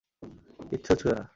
কিচ্ছু ছুঁয়ো না।